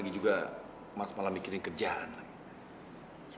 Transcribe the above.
lagi juga mas malah mikirin kerjaan